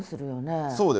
そうですね。